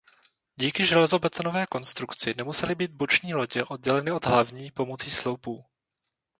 Díky železobetonové konstrukci nemusely být boční lodě odděleny od hlavní pomocí sloupů.